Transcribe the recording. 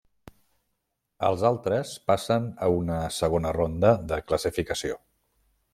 Els altres passen a una segona ronda de classificació.